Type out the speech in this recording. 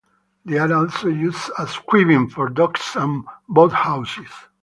They are also used as cribbing for docks and boathouses.